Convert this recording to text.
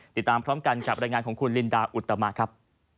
ติดตามพร้อมกันกับรายงานของคุณลินดาอุตมะครับ